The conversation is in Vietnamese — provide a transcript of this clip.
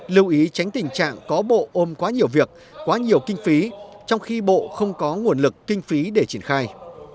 lưu ý tránh tình trạng có bộ ôm quá nhiều việc quá nhiều kinh phí trong khi bộ không có nguồn lực kinh phí để triển khai